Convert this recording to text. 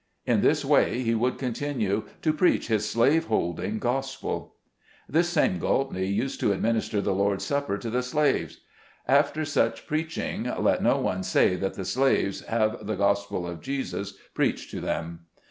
In this way he would con tinue to preach his slave holding gospel. This same Goltney used to administer the Lord's Supper to the slaves. After such preaching, let no one say that the slaves have the Gospel of Jesus preached to them.